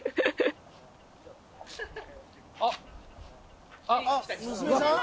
あっ娘さん？